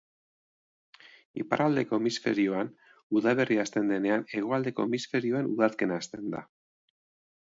Iparraldeko hemisferioan udaberria hasten denean, hegoaldeko hemisferioan udazkena hasten da.